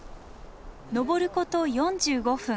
登ること４５分